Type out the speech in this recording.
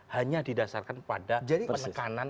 hanya didasarkan pada menekanan angka inflasi